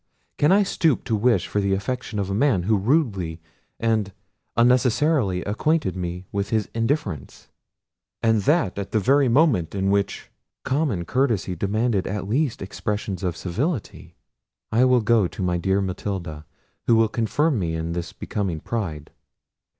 Can I stoop to wish for the affection of a man, who rudely and unnecessarily acquainted me with his indifference? and that at the very moment in which common courtesy demanded at least expressions of civility. I will go to my dear Matilda, who will confirm me in this becoming pride.